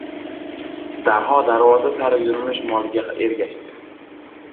Daho darvoza sari yurmish molga ergashdi.